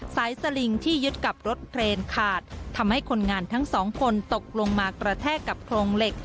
สลิงที่ยึดกับรถเครนขาดทำให้คนงานทั้งสองคนตกลงมากระแทกกับโครงเหล็ก